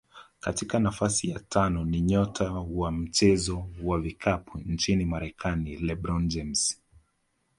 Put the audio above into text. Katika nafasi ya tano ni nyota wa mchezo wa vikapu nchini Marekani LeBron James